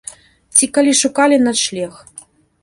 Ці калі шукалі начлег.